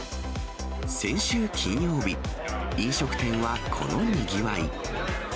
先週金曜日、飲食店はこのにぎわい。